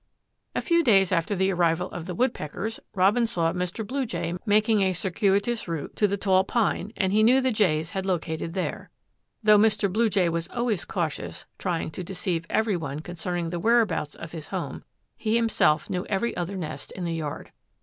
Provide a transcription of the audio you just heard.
A few days after the arrival of the Woodpeckers, Robin saw Mr. Blue Jay making a circuitous route to the tall pine and he knew the Jays had located there. Though Mr. Blue Jay was always cautious, trying to deceive every one concerning the whereabouts of his home, he himself knew every other nest in the yard.